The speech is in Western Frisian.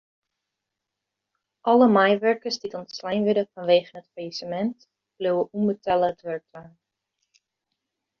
Alle meiwurkers dy't ûntslein wurde fanwegen it fallisemint bliuwe ûnbetelle it wurk dwaan.